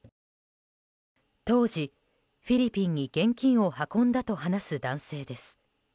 当時、フィリピンに現金を運んだと話す男性です。